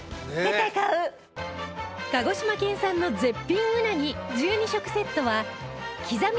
鹿児島県産の絶品うなぎ１２食セットはきざみ